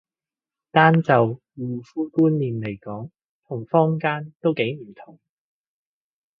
單就護膚觀念嚟講同坊間都幾唔同